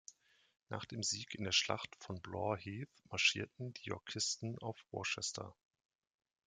Nach dem Sieg in der Schlacht von Blore Heath marschierten die Yorkisten auf Worcester.